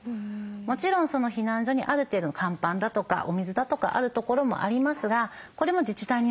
もちろん避難所にある程度の乾パンだとかお水だとかあるところもありますがこれも自治体によって違うんですね。